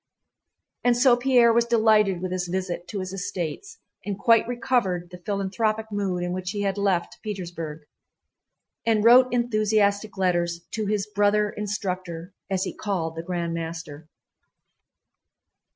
And so Pierre was delighted with his visit to his estates and quite recovered the philanthropic mood in which he had left Petersburg, and wrote enthusiastic letters to his "brother instructor" as he called the Grand Master.